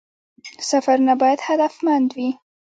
سفرونه باید هدفمند وي